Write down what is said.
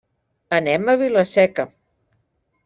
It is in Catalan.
Anem a Vila-seca.